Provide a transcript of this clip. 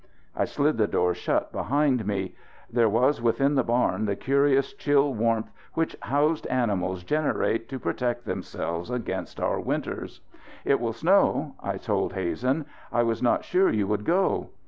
I slid the door shut behind me. There was within the barn the curious chill warmth which housed animals generate to protect themselves against our winters. "It will snow," I told Hazen. "I was not sure you would go."